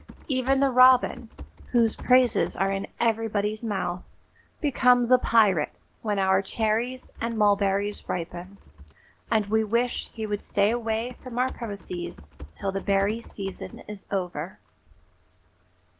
Even the robin, whose praises are in everybody's mouth, becomes a pirate when our cherries and mulberries ripen, and we wish he would stay away from our premises till the berry season is over.